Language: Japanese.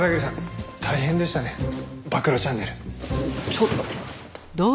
ちょっと！